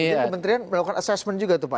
jadi kementerian melakukan assessment juga tuh pak